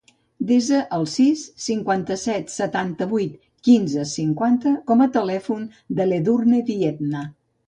Desa el sis, cinquanta-set, setanta-vuit, quinze, cinquanta com a telèfon de l'Edurne Viedma.